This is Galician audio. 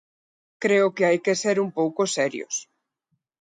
Creo que hai que ser un pouco serios.